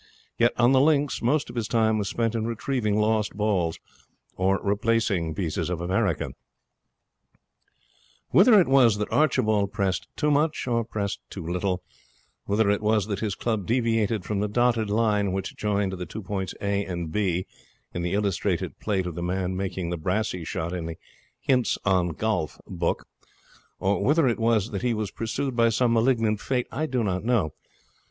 Yet on the links most of his time was spent in retrieving lost balls or replacing America. Whether it was that Archibald pressed too much or pressed too little, whether it was that his club deviated from the dotted line which joined the two points A and B in the illustrated plate of the man making the brassy shot in the Hints on Golf book, or whether it was that he was pursued by some malignant fate, I do not know.